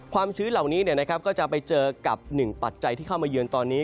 ชื้นเหล่านี้ก็จะไปเจอกับหนึ่งปัจจัยที่เข้ามาเยือนตอนนี้